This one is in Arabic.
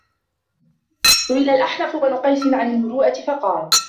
سُئِلَ الْأَحْنَفُ بْنُ قَيْسٍ عَنْ الْمُرُوءَةِ فَقَالَ